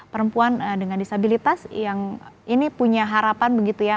perempuan dengan disabilitas yang ini punya harapan begitu ya